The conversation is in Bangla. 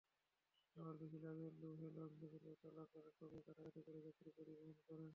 আবার বেশি লাভের লোভে লঞ্চগুলো চলাচল কমিয়ে গাদাগাদি করে যাত্রী পরিবহন করে।